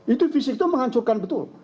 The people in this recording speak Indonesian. itu fisik itu menghancurkan betul